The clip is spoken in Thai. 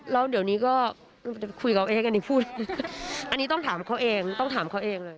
แล้วเดี๋ยวนี้ก็คุยกับเขาเองอันนี้พูดอันนี้ต้องถามเขาเองต้องถามเขาเองเลย